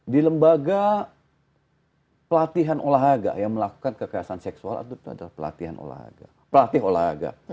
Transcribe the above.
di lembaga pelatihan olahraga yang melakukan kekerasan seksual itu adalah pelatihan olahraga pelatih olahraga